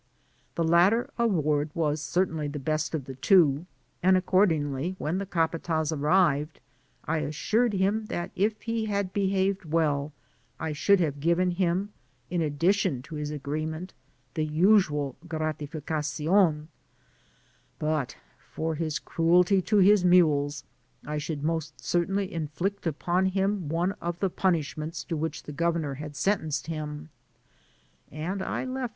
The latter award was cer* tainly the best of the two ; and, accordingly, when the capat^z arrived, I assured him that if he had behaved well I should have given him, in addition to his agreement, the usual gratificacion ;'' but, for his cruelty to his mules, I should most cer* tainly inflict upon him one of the punishments to which the governor had sentenced him; and I left Digitized byGoogk THE GREAT CORDILLERA.